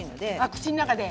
口の中で？